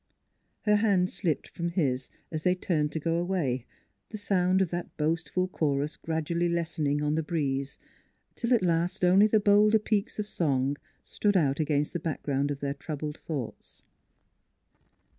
Her hand slipped from his, as they turned to go away, the sound of that boastful chorus gradu ally lessening on the breeze, till at last only the bolder peaks of song stood out against the back ground of their troubled thoughts.